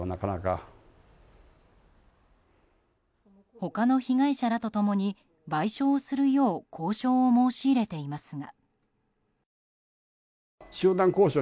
他の被害者らと共に賠償するよう交渉を申し入れていますが。